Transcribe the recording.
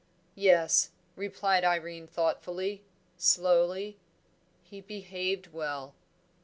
"Yes," replied Irene thoughtfully, slowly, "he behaved well."